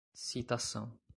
citação